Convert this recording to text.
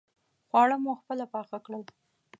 خواړه مو خپله پاخه کړل.